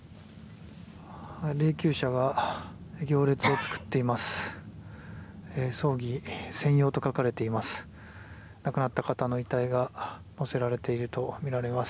霊柩車が行列を作っています。